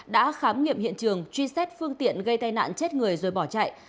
đã khám nghiệm hiện trường truy xét phương tiện gây tai nạn chết người rồi bỏ chạy